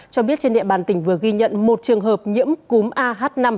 cho biết trên địa bàn tỉnh vừa ghi nhận một trường hợp nhiễm cúm ah năm